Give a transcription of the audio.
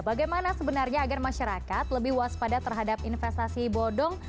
bagaimana sebenarnya agar masyarakat lebih waspada terhadap investasi bodong